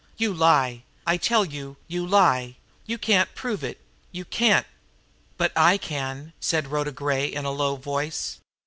You lie! I tell you, you lie! You can't prove it; you can't " "But I can," said Rhoda Gray in a low voice.